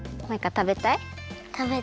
たべたい？